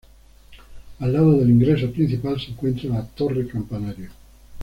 Al lado del ingreso principal se encuentra la torre-campanario.